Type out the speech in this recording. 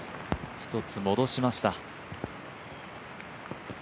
１つ戻しました。